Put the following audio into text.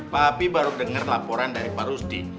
pak api baru dengar laporan dari pak rusdi